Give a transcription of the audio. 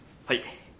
はい。